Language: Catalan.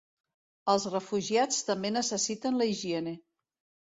El refugiats també necessiten la higiene.